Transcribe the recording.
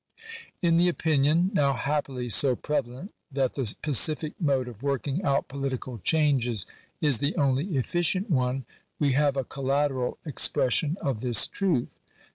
In the opinion, now happily so prevalent, that the pacific mode of working out political changes is the only efficient one, we have a collateral expression of this truth.